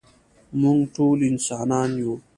مونږ ټول انسانان يو.